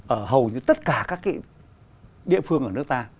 ở hầu như tất cả các cái địa phương ở nước ta